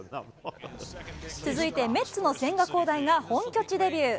続いてメッツの千賀滉大が本拠地デビュー。